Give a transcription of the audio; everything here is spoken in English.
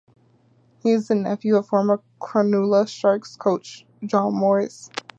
He is the nephew of former Cronulla Sharks coach John Morris.